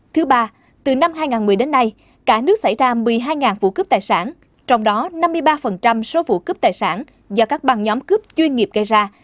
thứ ba từ năm hai nghìn một mươi đến nay cả nước xảy ra một mươi hai vụ cướp tài sản trong đó năm mươi ba số vụ cướp tài sản do các băng nhóm cướp chuyên nghiệp gây ra